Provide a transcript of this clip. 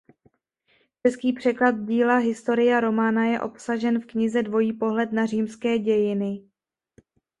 Český překlad díla Historia Romana je obsažen v knize "Dvojí pohled na římské dějiny".